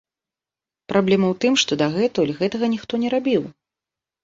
Праблема ў тым, што дагэтуль гэтага ніхто не рабіў.